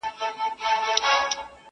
نه په منځ كي خياطان وه نه ټوكران وه!!